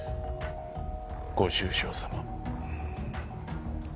ご愁傷さま。